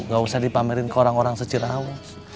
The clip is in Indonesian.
gak usah dipamerin ke orang orang secerau